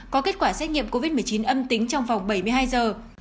có kết quả xét nghiệm covid một mươi chín âm tính trong vòng bảy mươi hai giờ